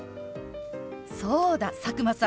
そうだ佐久間さん！